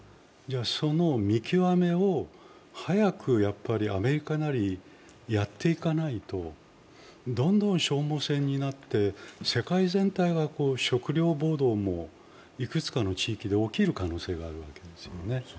その見極めを早くアメリカなりやっていかないと、どんどん消耗戦になって、世界全体が食糧暴動もいくつかの地域で起きる可能性があるわけですよね。